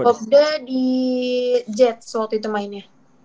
popda di jets waktu itu mainnya